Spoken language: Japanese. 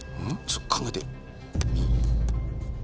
ちょっと考えて。